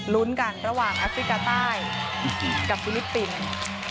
ลุ้นกันระหว่างแอฟริกาใต้กับฟิลิปปินส์